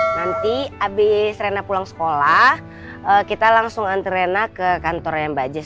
nanti abis rena pulang sekolah kita langsung hantar rena ke kantornya mbak jess